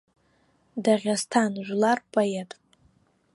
Даӷьасҭан жәлар рпоет.